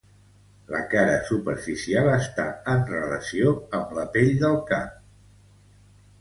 La cara superficial està en relació amb la pell del cap.